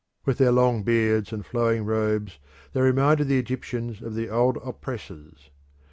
With their long beards and flowing robes they reminded the Egyptians of the old oppressors.